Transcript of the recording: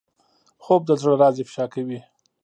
خوب د زړه راز افشا کوي